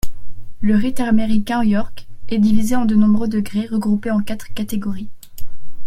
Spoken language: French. Le rite américain York est divisé en de nombreux degrés regroupés en quatre catégories.